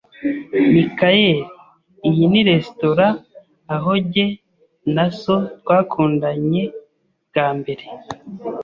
Michael, iyi ni resitora aho jye na so twakundanye bwa mbere.